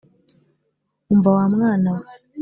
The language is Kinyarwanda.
Umva w’amwana we.